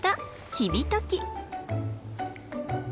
キビタキ。